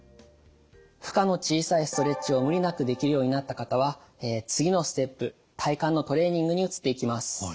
負荷の小さいストレッチを無理なくできるようになった方は次のステップ体幹のトレーニングに移っていきます。